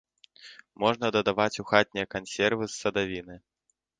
Можна дадаваць у хатнія кансервы з садавіны.